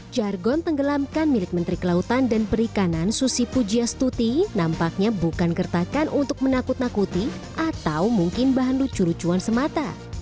jargon tenggelamkan milik menteri kelautan dan perikanan susi pujiastuti nampaknya bukan gertakan untuk menakut nakuti atau mungkin bahan lucu lucuan semata